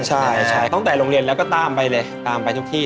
ใช่ตั้งแต่โรงเรียนแล้วก็ตามไปเลยตามไปทุกที่